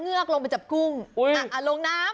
นี่คือเทคนิคการขาย